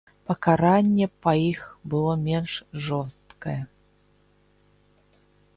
Пакаранне па іх было менш жорсткае.